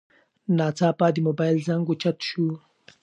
ناڅاپه د موبایل زنګ اوچت شو.